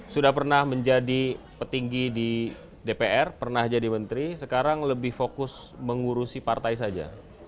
sudah pernah menjadi petinggi di dpr pernah jadi menteri sekarang lebih fokus mengurusi partai saja